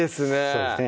そうですね